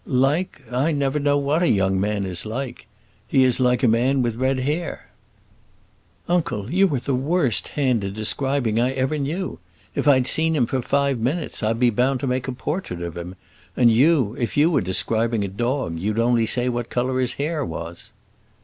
"Like I never know what a young man is like. He is like a man with red hair." "Uncle, you are the worst hand in describing I ever knew. If I'd seen him for five minutes, I'd be bound to make a portrait of him; and you, if you were describing a dog, you'd only say what colour his hair was."